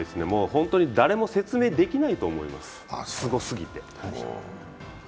本当に誰も説明できないと思います、すごすぎて。